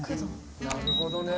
なるほどね。